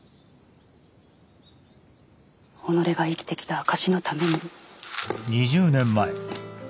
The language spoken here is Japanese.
己が生きてきた証しのためにも。